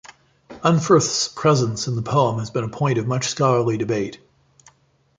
Unferth's presence in the poem has been a point of much scholarly debate.